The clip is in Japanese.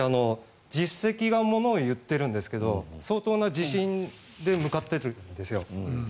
実績がものを言ってるんですけど相当な自信で向かっているんですよ。